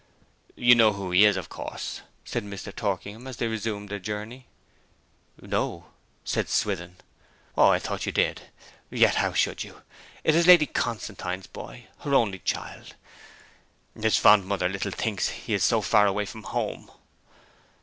'You know who he is, of course?' said Mr. Torkingham, as they resumed their journey. 'No,' said Swithin. 'Oh, I thought you did. Yet how should you? It is Lady Constantine's boy her only child. His fond mother little thinks he is so far away from home.'